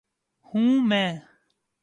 ہوں میں